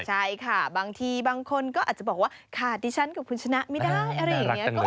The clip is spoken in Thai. ใช่ค่ะบางทีบางคนก็อาจจะบอกว่าขาดดิฉันกับคุณชนะไม่ได้อะไรอย่างนี้